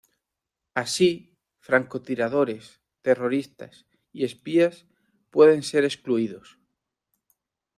Así, francotiradores, terroristas y espías pueden ser excluidos.